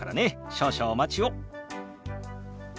少々お待ちを。